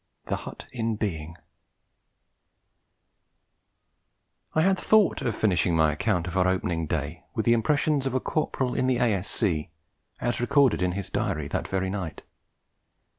THE HUT IN BEING I had thought of finishing my account of our opening day with the impressions of a Corporal in the A.S.C., as recorded in his diary that very night.